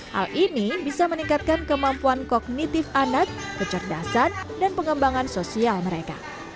hal ini bisa meningkatkan kemampuan kognitif anak kecerdasan dan pengembangan sosial mereka